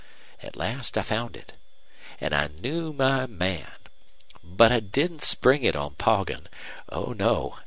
At last I found it. An' I knew my man. But I didn't spring it on Poggin. Oh no!